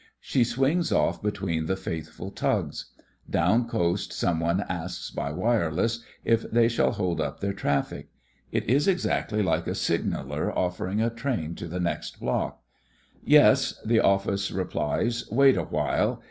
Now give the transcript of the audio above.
She swings off between the faithful tugs. Down coast some one asks by wireless if they shall hold up their traffic. It is exactly like a signaller "offering" a train to the next block. "Yes," the Office re 30 THE FRINGES OF THE FLEET plies. "Wait a while.